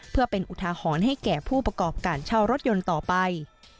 เพื่อเป็นอุทาหรณ์ให้แก่ผู้ประกอบการเช่ารถยนต์ต่อไป